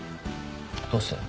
どうして？